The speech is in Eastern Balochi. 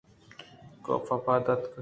کاف پاداتک